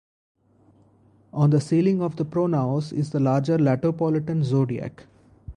On the ceiling of the pronaos is the larger Latopolitan Zodiac.